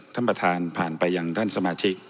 ท่านประธานผ่านไปยังท่านสมาชิก